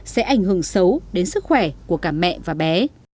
sẽ ảnh hưởng xấu đến sức khỏe của cả mẹ và bé